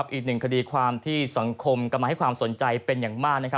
อีกหนึ่งคดีความที่สังคมกำลังให้ความสนใจเป็นอย่างมาก